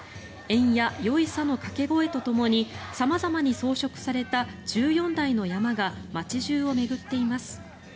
エンヤ、ヨイサの掛け声とともに様々に装飾された１４台の山が街中を巡っています。